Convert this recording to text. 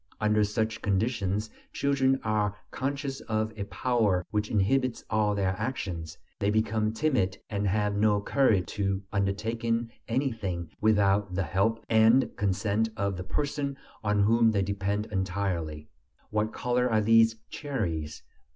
Under such conditions children are conscious of a power which inhibits all their actions; they become timid, and have no courage to undertake anything without the help and consent of the person on whom they depend entirely. "What color are these cherries?"